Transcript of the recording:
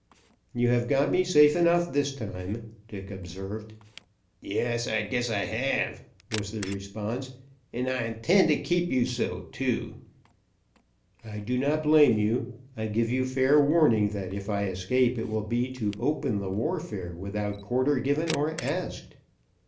"You have got me safe enough this time," Dick observed. "Yes, I guess I have," was the response. "And I intend to keep you so, too." "I do not blame you; I give you fair warning that if I escape it will be to open the warfare without quarter given or asked."